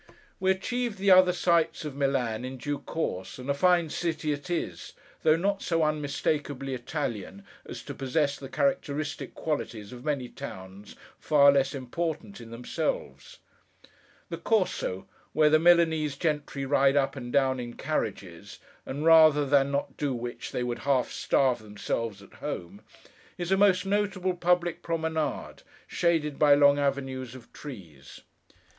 We achieved the other sights of Milan, in due course, and a fine city it is, though not so unmistakably Italian as to possess the characteristic qualities of many towns far less important in themselves. The Corso, where the Milanese gentry ride up and down in carriages, and rather than not do which, they would half starve themselves at home, is a most noble public promenade, shaded by long avenues of trees.